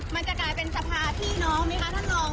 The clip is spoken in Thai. มันจะกลายเป็นสภาพี่น้องไหมคะท่านรอง